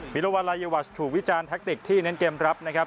มิลวัลลายเยวาชถูกวิจารณ์แทคติกที่เน้นเกมรับนะครับ